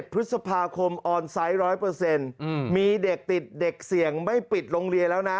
พฤษภาคมออนไซต์๑๐๐มีเด็กติดเด็กเสี่ยงไม่ปิดโรงเรียนแล้วนะ